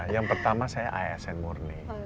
yang pertama saya asn murni